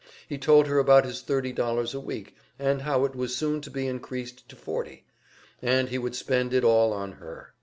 He told her about his thirty dollars a week, and how it was soon to be increased to forty, and he would spend it all on her.